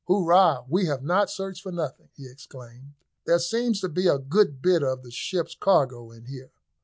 "Hurrah! we have not searched for nothing!" he exclaimed. "There seems to be a good bit of the ship's cargo in here."